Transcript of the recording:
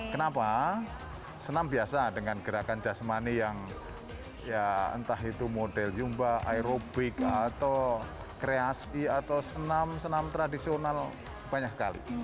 kenapa senam biasa dengan gerakan jasmani yang ya entah itu model jumba aerobik atau kreasi atau senam senam tradisional banyak sekali